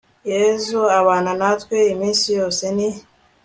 yezu abana natwe iminsi yose, ni